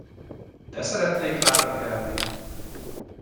De szeretnék lábra kelni!